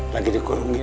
lagi dikurung gini